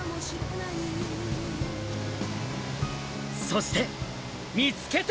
そして見つけた！